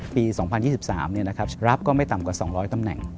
ปี๒๐๒๓รับก็ไม่ต่ำกว่า๒๐๐ตำแหน่ง